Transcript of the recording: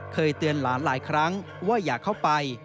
เคยเตือนหลานหลายครั้งว่าอย่าเข้าไป